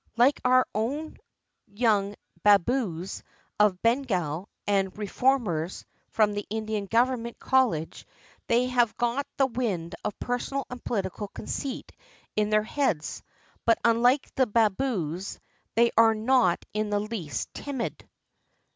Like our own young "baboos" of Bengal, and "reformers" from the Indian Government College, they have got the wind of personal and political conceit in their heads; but, unUke the "baboos," they are not in the least timid.